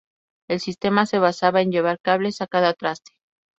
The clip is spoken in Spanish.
El sistema se basaba en llevar cables a cada traste.